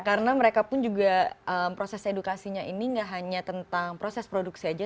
karena mereka pun juga proses edukasinya ini nggak hanya tentang proses produksi aja